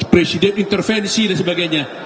presiden intervensi dan sebagainya